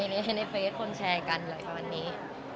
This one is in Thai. ในเฟสคนแชร์กันเลยแบบนี้